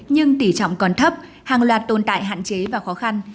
nhưng tỉ trọng còn thấp hàng loạt tồn tại hạn chế và khó khăn